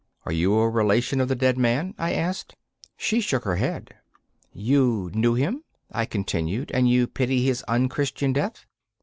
'Are you a relation of the dead man?' I asked. She shook her head. 'You knew him?' I continued, 'and you pity his unchristian death?